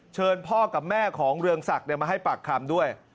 เชิญพ่อกับแม่ของเรืองศักดิ์มาให้ปากคำด้วย